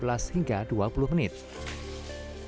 terus kita buat roti tan keng choo